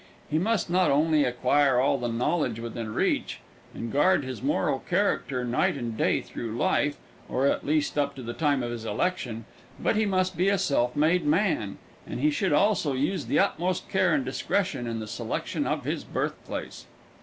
He must not only acquire all the knowledge within reach, and guard his moral character night and day through life, or at least up to the time of his election, but he must be a self made man, and he should also use the utmost care and discretion in the selection of his birthplace.